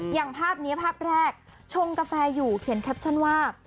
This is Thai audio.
อย่างภาพนี้ภาพแรกชงกาแฟอยู่เขียนแคปชั่นว่า